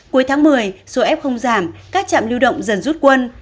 cuối tháng một mươi số f giảm các trạm lưu động dần rút quân